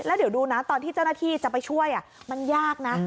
แล้วเดี๋ยวดูนะตอนที่เจ้าหน้าที่จะไปช่วยมันยากนะ